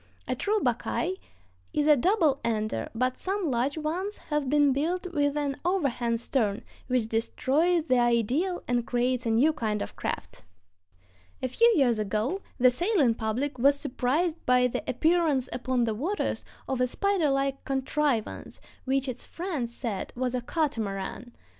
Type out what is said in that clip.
A true buckeye is a double ender, but some large ones have been built with an overhang stern, which destroys the ideal and creates a new kind of craft. [Illustration: OLD STYLE PIROGUE WITH LEEBOARD.] A few years ago the sailing public was surprised by the appearance upon the waters of a spider like contrivance which its friends said was a "catamaran."